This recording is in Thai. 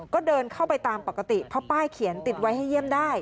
ก็เดินเข้าไปตามปกติเพราะป้ายเขียนติดไว้ให้เยี่ยมได้